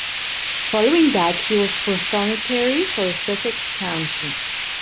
Following that he was Prothonotary for Sussex County.